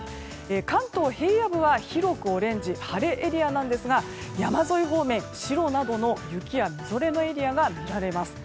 関東平野部は広くオレンジ晴れエリアなんですが山沿い方面、白などの雪やみぞれのエリアが見られます。